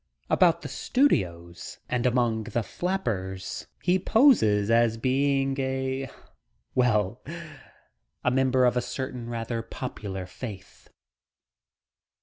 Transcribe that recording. About the studios and among the flappers he poses as being a well a member of a certain rather popular faith.